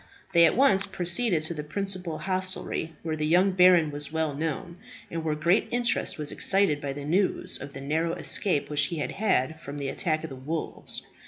They at once proceeded to the principal hostelry, where the young baron was well known, and where great interest was excited by the news of the narrow escape which he had had from the attack of the wolves.